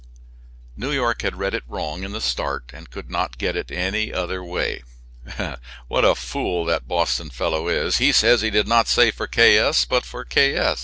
New York had read it wrong in the start and could not get it any other way. "What a fool that Boston fellow is. He says he did not say for K. S., but for K.